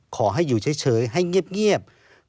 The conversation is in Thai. ขอให้อยู่เฉยให้เงียบ